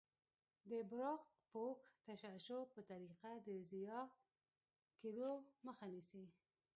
د براق پوښ تشعشع په طریقه د ضایع کیدو مخه نیسي.